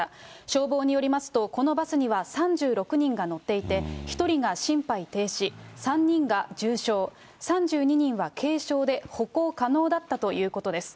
消防によりますと、このバスには３６人が乗っていて、１人が心肺停止、３人が重傷、３２人は軽傷で歩行可能だったということです。